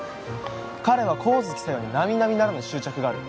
彼は神月沙代に並々ならぬ執着がある。